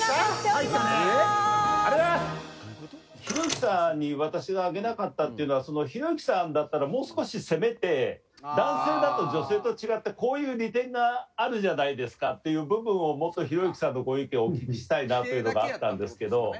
ひろゆきさんに私が上げなかったっていうのはひろゆきさんだったらもう少し攻めて「男性だと女性と違ってこういう利点があるじゃないですか」っていう部分をもっとひろゆきさんのご意見をお聞きしたいなというのがあったんですけど。